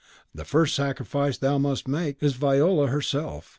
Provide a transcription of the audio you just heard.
The first sacrifice thou must make is Viola herself.